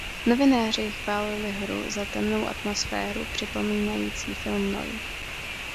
Novináři chválili hru za temnou atmosféru připomínající film noir.